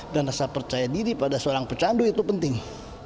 dan rasa percaya diri pada seorang pecandu itu penting